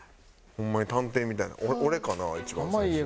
ホンマに探偵みたいな俺かな一番最初。